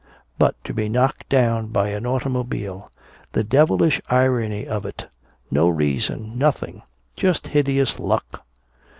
But to be knocked down by an automobile! The devilish irony of it! No reason nothing! Just hideous luck!